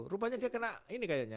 rupanya dia kena ini kayaknya